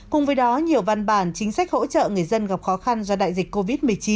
cùng với đó nhiều văn bản chính sách hỗ trợ người dân gặp khó khăn do đại dịch covid một mươi chín